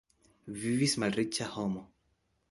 Vivis malriĉa homo.